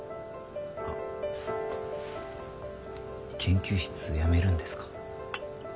研究室辞めるんですか？